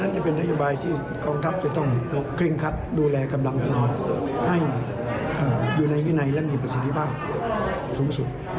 จะเป็นนโยบายที่กองทัพจะต้องเคร่งคัดดูแลกำลังพอให้อยู่ในวินัยและมีประสิทธิภาพสูงสุด